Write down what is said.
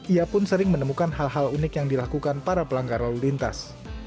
ia pun sering menemukan hal hal unik yang dilakukan para pelanggar lalu lintas